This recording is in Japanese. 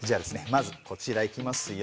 まずこちらいきますよ。